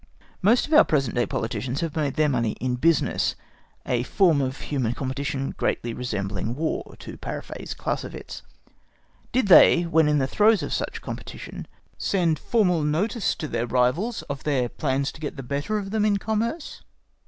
Most of our present day politicians have made their money in business—a "form of human competition greatly resembling War," to paraphrase Clausewitz. Did they, when in the throes of such competition, send formal notice to their rivals of their plans to get the better of them in commerce?